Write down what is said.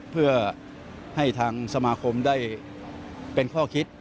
เพื่อให้ทางสมาคมได้เป็นข้อคิด